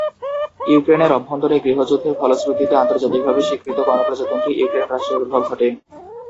ইউক্রেনের অভ্যন্তরে গৃহযুদ্ধের ফলশ্রুতিতে আন্তর্জাতিকভাবে স্বীকৃত গণপ্রজাতন্ত্রী ইউক্রেন রাষ্ট্রের উদ্ভব ঘটে।